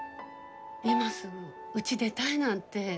今すぐうち出たいなんて。